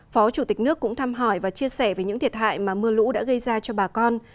phó chủ tịch nước cũng thăm hỏi và chia sẻ về những thiệt hại mà mưa lũ đã gây ra cho bà con